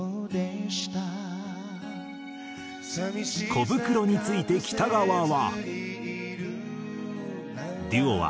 コブクロについて北川は。